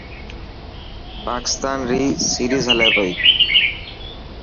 پاڪستان ري سيريز هلي پئي.